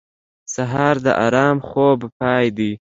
سهار د ارام خوب پای دی.